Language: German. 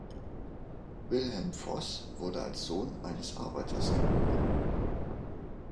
Wilhelm Voß wurde als Sohn eines Arbeiters geboren.